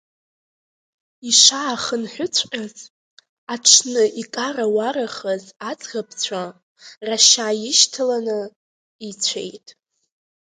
Ишаахынҳәыҵәҟьаз, аҽны икарауарахаз аӡӷабцәа, рашьа ишьҭаланы, ицәеит.